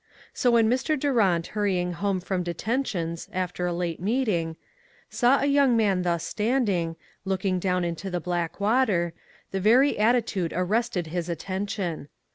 So when Mr. Durant hurrying home from detentions, after a late meeting, saw a young man thus standing, 356 STORM AND CALM. 357 looking down into the black water, the very attitude arrested his attention.